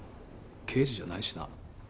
刑事じゃないしな。